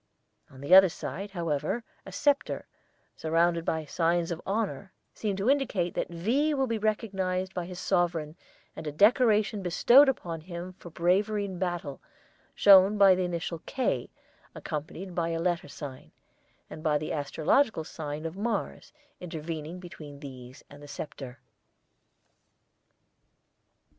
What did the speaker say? On the other side, however, a sceptre, surrounded by signs of honours, seems to indicate that 'V' will be recognized by his sovereign and a decoration bestowed upon him for bravery in battle, shown by the initial 'K' accompanied by a letter sign, and by the astrological sign of Mars, intervening between these and the sceptre.